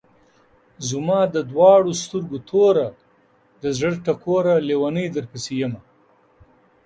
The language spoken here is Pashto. زما د دواڼو سترګو توره، د زړۀ ټوره لېونۍ درپسې يمه